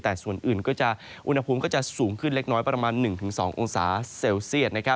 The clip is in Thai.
แต่ส่วนอื่นก็จะอุณหภูมิก็จะสูงขึ้นเล็กน้อยประมาณ๑๒องศาเซลเซียต